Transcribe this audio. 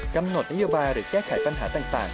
กำหนดนโยบายหรือแก้ไขปัญหาต่าง